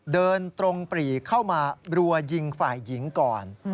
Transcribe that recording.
เดินตรงปรีเข้ามารัวยิงฝ่ายหญิงก่อน